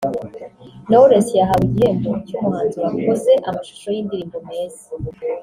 Knowless yahawe igihembo cy’umuhanzi wakoze amashusho y’indirimbo meza